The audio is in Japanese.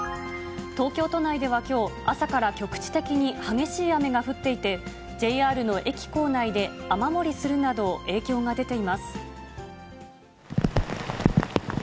東京都内ではきょう、朝から局地的に激しい雨が降っていて、ＪＲの駅構内で雨漏りするなど、影響が出ています。